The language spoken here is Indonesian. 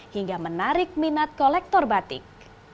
hingga menarik minat kolektor batik